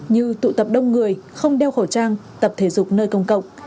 như tụ tập đông người không đeo khẩu trang tập thể dục nơi công cộng